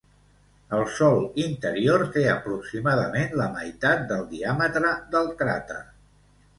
El sòl interior té aproximadament la meitat del diàmetre del cràter.